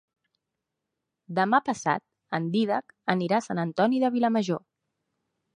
Demà passat en Dídac anirà a Sant Antoni de Vilamajor.